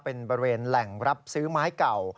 เป็นบริเวณแหล่งรับซื้อไม้เก่า